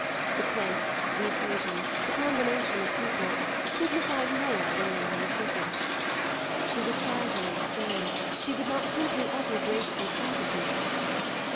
The place, the occasion, the combination of people, signified more than lay on the surface; she would try to understand she would not simply utter graceful platitudes.